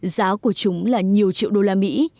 giá của chúng là nhiều triệu đô la mỹ